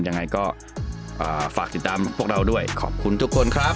ยังไงก็ฝากติดตามพวกเราด้วยขอบคุณทุกคนครับ